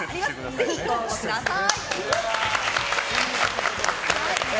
ぜひご応募ください。